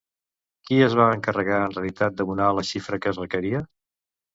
Qui es va encarregar en realitat d'abonar la xifra que es requeria?